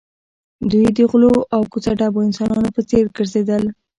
دوی د غلو او کوڅه ډبو انسانانو په څېر ګرځېدل